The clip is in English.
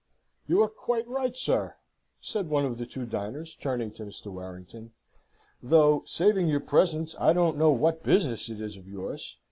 "You are quite right, sir," said one of the two diners, turning to Mr. Warrington, "though, saving your presence, I don't know what business it is of yours.